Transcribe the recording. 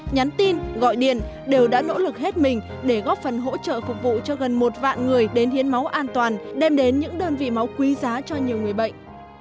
nhắn tin gọi điện đều đã nỗ lực hết mình để góp phần hỗ trợ phục vụ cho gần một vạn người đến hiến máu an toàn đem đến những đơn vị máu quý giá cho nhiều người bệnh